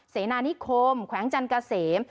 เสนานิคมแขวงจันเกษม